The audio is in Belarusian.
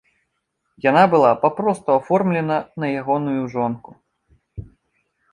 Яна была папросту аформлена на ягоную жонку.